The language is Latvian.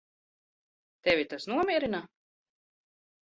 Tevi tas nomierina?